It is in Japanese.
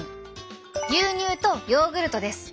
牛乳とヨーグルトです。